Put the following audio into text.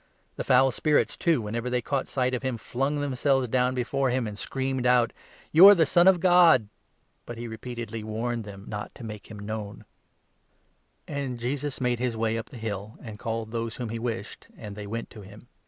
The foul spirits, too, whenever they caught sight n of him, flung themselves down before him, and screamed out : "You are the Son of God "! But he repeatedly warned them not to make him known. 12 » i Sam. 21. 6. " Ps. 2. 7. B* 10 MARK, The twelve And Jesus made his way up the hill, and called 13 Apostles, those whom he wished; and they went to him.